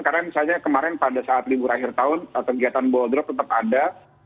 karena misalnya kemarin pada saat libur akhir tahun kegiatan boldrop tetap ada